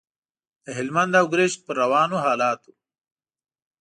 د هلمند او ګرشک پر روانو حالاتو.